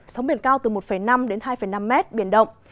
sóng biển cao từ một năm đến hai năm mét biển động